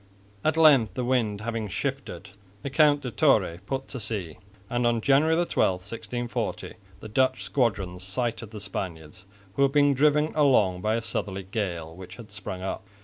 At length, the wind having shifted, the Count de Torre put to sea; and on January 12, 1640, the Dutch squadrons sighted the Spaniards, who were being driven along by a southerly gale which had sprung up.